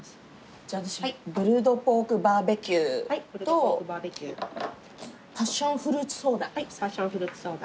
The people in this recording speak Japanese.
じゃあ私プルドポークバーベキューとパッションフルーツソーダ。